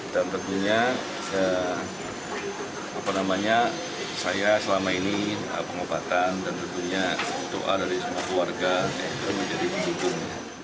dan tentunya apa namanya saya selama ini pengobatan dan tentunya doa dari semua keluarga untuk menjadi penyembun